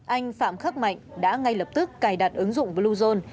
anh phạm khắc mạnh đã ngay lập tức cài đặt ứng dụng bluezone